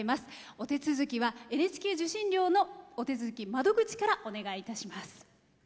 お手続きはＮＨＫ受信料のお手続き窓口サイトからお願いいたします。